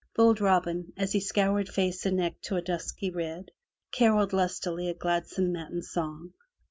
Bold Robin, as he scoured face and neck to a dusky red, caroled lustily a gladsome matin song.